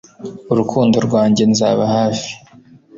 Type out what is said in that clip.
Urukundo rwanjye Nzaba hafi